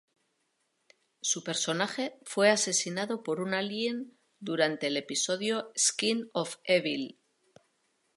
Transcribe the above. Su personaje fue asesinado por un alien durante el episodio "Skin of Evil.